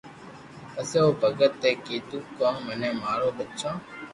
پسي او ڀگت اي ڪيدو ڪو مني مارو ٻچو